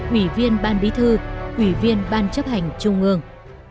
ủy viên ban bí thư ủy viên ban chấp hành trung ương